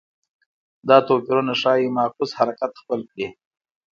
دا توپیرونه ښايي معکوس حرکت خپل کړي